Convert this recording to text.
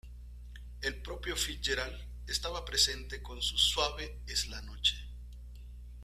El propio Fitzgerald estaba presente con su "Suave es la Noche.